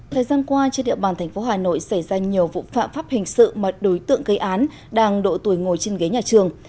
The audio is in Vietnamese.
thời gian qua trên địa bàn thành phố hà nội xảy ra nhiều vụ phạm pháp hình sự mà đối tượng gây án đang độ tuổi ngồi trên ghế nhà trường